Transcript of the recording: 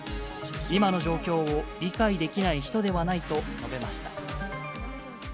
今の状況を理解できない人ではないと述べました。